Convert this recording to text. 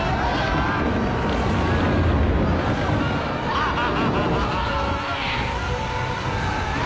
アハハハ！